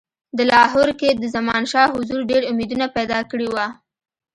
د لاهور کې د زمانشاه حضور ډېر امیدونه پیدا کړي وه.